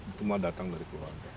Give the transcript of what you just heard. itu mah datang dari keluarga